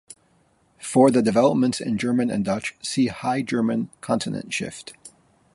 For the developments in German and Dutch see High German consonant shift.